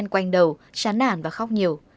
quanh đầu chán nản và khóc nhiều